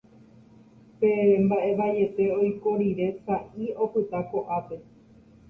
pe mba'e vaiete oiko rire sa'i opyta ko'ápe